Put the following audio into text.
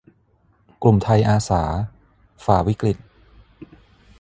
กลุ่มไทยอาสา ฝ่าวิกฤต